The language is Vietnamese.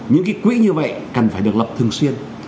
những cái quỹ như vậy cần phải được lập thường xuyên